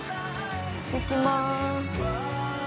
いってきます。